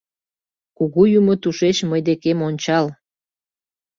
Кугу юмо тушеч мый декем ончал.